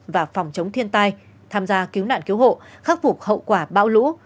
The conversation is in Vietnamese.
và phòng chống thiên tai tham gia cứu nạn cứu hộ khắc phục hậu quả bão lũ